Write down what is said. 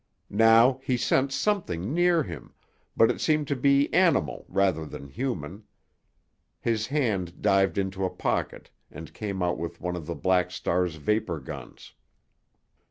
Now he sensed something near him, but it seemed to be animal rather than human. His hand dived into a pocket and came out with one of the Black Star's vapor guns.